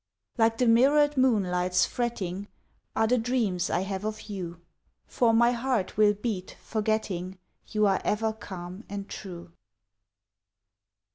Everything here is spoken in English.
Like the mirrored moonlight's fretting Are the dreams I have of you, For my heart will beat, forgetting You are ever calm and true.